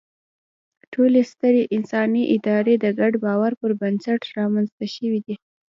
ټولې سترې انساني ادارې د ګډ باور پر بنسټ رامنځ ته شوې دي.